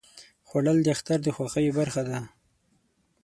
خوړل د اختر د خوښیو برخه ده